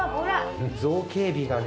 造形美がね。